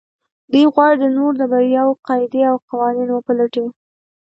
دوی غواړي د نورو د برياوو قاعدې او قوانين وپلټي.